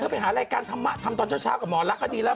ไปเธอไปหารายการทำตอนเช้ากับหมอลักษณ์ก็ดีแล้ว